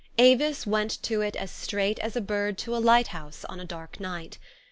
Avis went to it as straight as a bird to a lighthouse on a dark night.